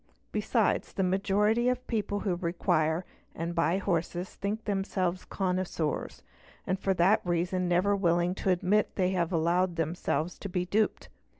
Besides, the majority of people who require and buy horses think themselves connoisseurs and for that reason never willingly admit that they have allowed themselves to be duped.